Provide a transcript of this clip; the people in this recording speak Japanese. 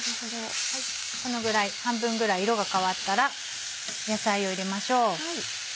このぐらい半分ぐらい色が変わったら野菜を入れましょう。